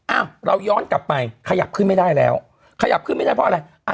อ้าวเราย้อนกลับไปขยับขึ้นไม่ได้แล้วขยับขึ้นไม่ได้เพราะอะไร